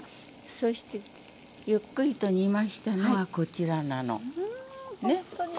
そしてゆっくりと煮ましたのがこちらなの。